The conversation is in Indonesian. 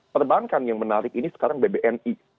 perbankan yang menarik ini sekarang bbni